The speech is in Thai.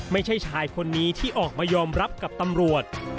ไม่ใช่ชายคนนี้ที่ออกมายอมรับกับตำรวจ